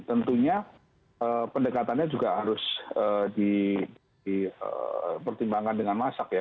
tentunya pendekatannya juga harus dipertimbangkan dengan masak ya